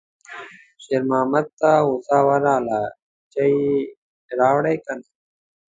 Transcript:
شېرمحمد ته غوسه ورغله: چای راوړې که نه